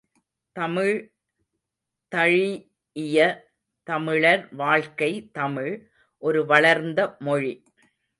தமிழ் தழீஇய தமிழர் வாக்கை தமிழ், ஒரு வளர்ந்த மொழி.